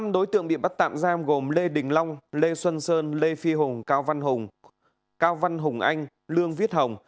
năm đối tượng bị bắt tạm giam gồm lê đình long lê xuân sơn lê phi hùng cao văn hùng cao văn hùng anh lương viết hồng